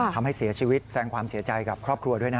ทำให้เสียชีวิตแสงความเสียใจกับครอบครัวด้วยนะ